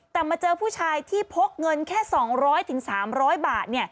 แต่มาเจอผู้ชายที่พกเงินแค่๒๐๐๓๐๐บาท